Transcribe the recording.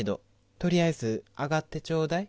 とりあえず上がってちょうだい。